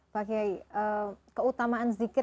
pak kiai keutamaan zikir